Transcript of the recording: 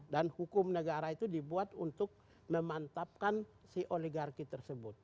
dan hukum negara itu dibuat untuk memantapkan si oligarki tersebut